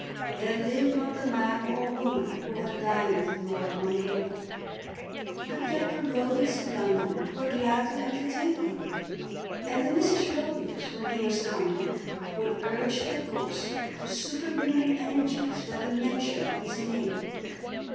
There lived not the man or woman who had dined with Lord Mongrober. But yet the Robys of London were glad to entertain him; and the Mrs. Robys, when he was coming, would urge their cooks to superhuman energies by the mention of his name.